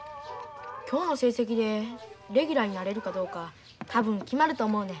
今日の成績でレギュラーになれるかどうか多分決まると思うねん。